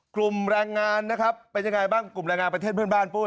กลุ่มแรงงานนะครับเป็นยังไงบ้างกลุ่มแรงงานประเทศเพื่อนบ้านปุ้ย